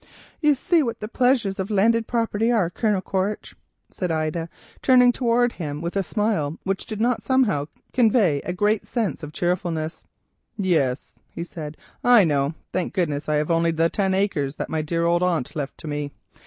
"You see what the pleasures of landed property are, Colonel Quaritch," said Ida, turning towards him with a smile which did not convey a great sense of cheerfulness. "Yes," he said, "I know. Thank goodness I have only the ten acres that my dear old aunt left to me.